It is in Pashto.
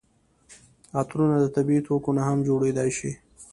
عطرونه د طبیعي توکو نه هم جوړیدای شي.